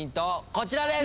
こちらです。